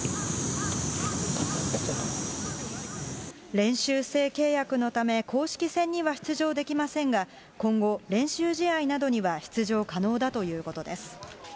練習生契約のため、公式戦には出場できませんが、今後、練習試合などには出場可能だということです。